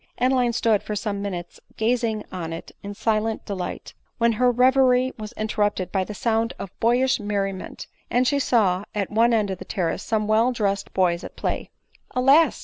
Adeline stood for some minutes gazing on it in silent delight ; when her reverie was interrupted by the sound of boyish merriment, and she saw, at one end of the terrace some well dressed boys at play. : Alas